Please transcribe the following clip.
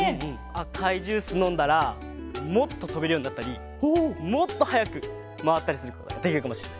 あかいジュースのんだらもっととべるようになったりもっとはやくまわったりすることができるかもしれない。